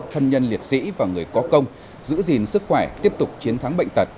thân nhân liệt sĩ và người có công giữ gìn sức khỏe tiếp tục chiến thắng bệnh tật